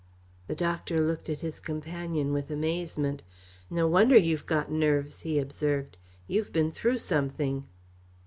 The doctor looked at his companion with amazement. "No wonder you've got nerves," he observed. "You've been through something."